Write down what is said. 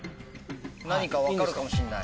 何か分かるかもしれない。